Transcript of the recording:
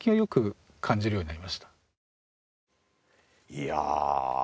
いや。